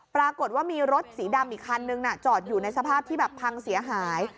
ปรากฏว่ามีรถสีดำอีกคันนึงจอดอยู่ในสภาพที่แบบพังเสียหาย